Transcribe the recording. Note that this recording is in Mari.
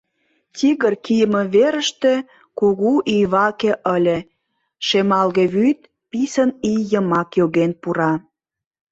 Тигр кийыме верыште кугу ий ваке ыле: шемалге вӱд писын ий йымак йоген пура.